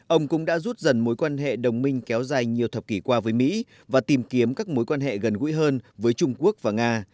ông cũng đã rút dần mối quan hệ đồng minh kéo dài nhiều thập kỷ qua với mỹ và tìm kiếm các mối quan hệ gần gũi hơn với trung quốc và nga